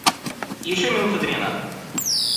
Еще минуты две надо.